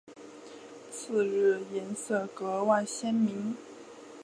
次日颜色格外鲜明。